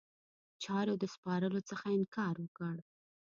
چارو د سپارلو څخه انکار وکړ.